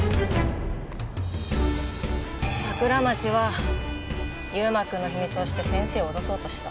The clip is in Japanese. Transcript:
桜町は優馬くんの秘密を知って先生を脅そうとした。